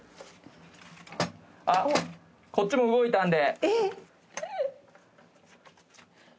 あっこっちも動いたんで。